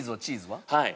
はい。